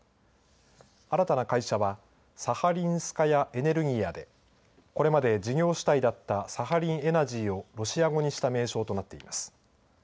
新たな会社はサハリンスカヤ・エネルギヤでこれまで事業主体だったサハリンエナジーをロシア語にした名称となっています。